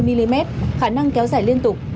năm mươi mm khả năng kéo dài liên tục